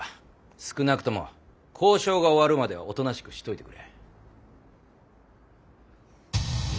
少なくとも交渉が終わるまではおとなしくしといてくれ。